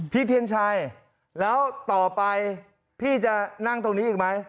เทียนชัยแล้วต่อไปพี่จะนั่งตรงนี้อีกไหม